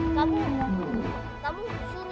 kalian akan aku hukum